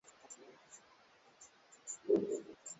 Mayi ina yala